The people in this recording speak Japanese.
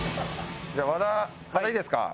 じゃあ和田いいですか？